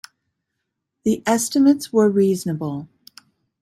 The estimates were reasonable.